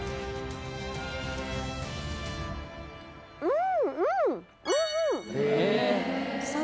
うんうん！